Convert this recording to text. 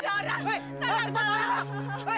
ya udah kita bisa